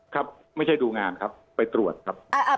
ครับไม่ใช่ดูงานครับไปตรวจครับ